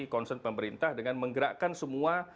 concern pemerintah dengan menggerakkan semua